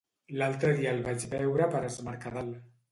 L'altre dia el vaig veure per Es Mercadal.